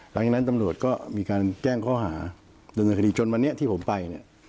หลังจากนั้นตำรวจก็มีการแจ้งข้อหาดำเนินคดีจนวันนี้ที่ผมไปเนี่ย